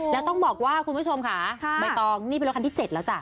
แล้วต้องบอกว่าคุณผู้ชมค่ะใบตองนี่เป็นรถคันที่๗แล้วจ้ะ